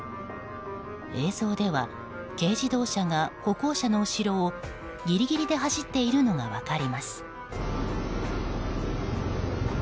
映像では軽自動車が歩行者の後ろをギリギリで走っているのが分かります。